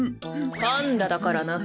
パンダだからな。